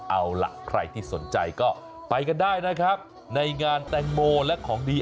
เอาล่ะใครที่สนใจก็ไปกันได้นะครับในงานแตงโมและของดี